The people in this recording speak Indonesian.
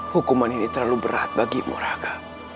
hukuman ini terlalu berat bagimu raka